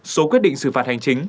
số quyết định xử phạt hành chính